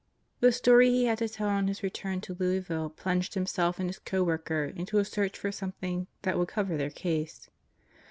The story he had to tell on his return to Louisville plunged himself and his co worker into a search for something that would cover their case.